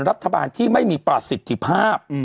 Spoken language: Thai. รัฐบาลที่ไม่มีประสิทธิภาพ